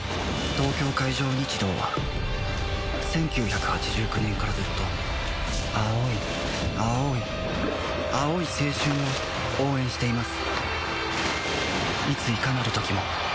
東京海上日動は１９８９年からずっと青い青い青い青春を応援しています